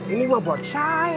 ini mau buat saya